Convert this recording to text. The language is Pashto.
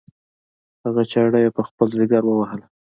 هغه چاړه یې په خپل ځګر ووهله.